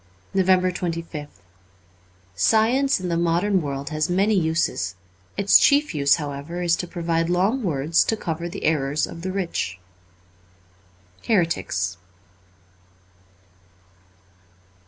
^ 364 NOVEMBER 25th SCIENCE in the modern world has many uses ; its chief use, however, is to provide long words to cover the errors of the rich, ' Heretics.'